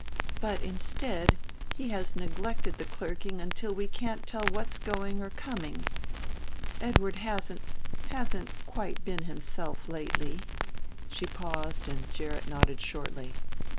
But, instead, he has neglected the clerking until we can't tell what's going or coming. Edward hasn't hasn't quite been himself lately," she paused and Gerrit nodded shortly.